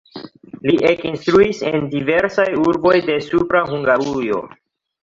Li ekinstruis en diversaj urboj de Supra Hungarujo.